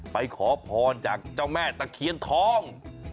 ขอพรจากเจ้าแม่ตะเคียนทอง